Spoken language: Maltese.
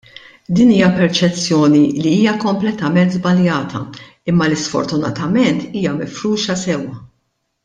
Din hija perċezzjoni li hija kompletament żbaljata imma li sfortunatament hija mifruxa sew.